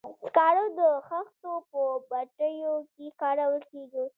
سکاره د خښتو په بټیو کې کارول کیږي.